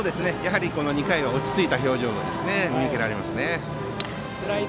２回は落ち着いた表情が見受けられますね。